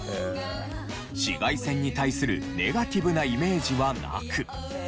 紫外線に対するネガティブなイメージはなく。